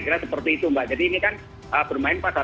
jadi ini kan bermain pada